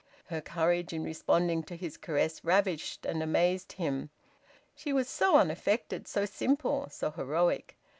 Her courage in responding to his caress ravished and amazed him. She was so unaffected, so simple, so heroic.